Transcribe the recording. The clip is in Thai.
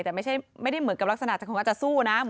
แต่ไม่ได้เหมือนกับลักษณะจะสู้นะ